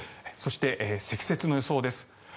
そして、積雪の予想です。